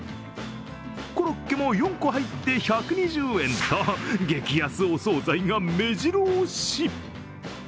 コロッケも４個入って１２０円と激安お総菜がめじろ押し。